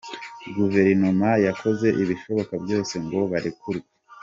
Guverinoma yakoze ibishoboka byose ngo barekurwe”.